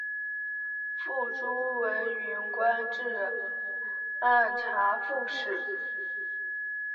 父朱文云官至按察副使。